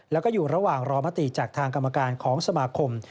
แล้วก็อยู่ระหว่างรอมติจากทางกรรมการของสมาคม